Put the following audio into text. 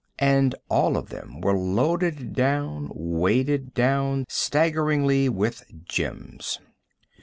And all of them were loaded down, weighted down, staggeringly, with gems.